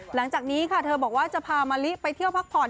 หลังจากนี้ค่ะเธอบอกว่าจะพามะลิไปเที่ยวพักผ่อน